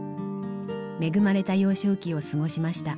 恵まれた幼少期を過ごしました。